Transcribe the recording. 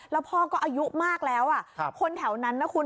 แล้วพ่อก็อายุมากแล้วคนแถวนั้นนะคุณ